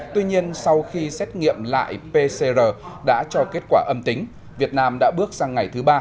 tuy nhiên sau khi xét nghiệm lại pcr đã cho kết quả âm tính việt nam đã bước sang ngày thứ ba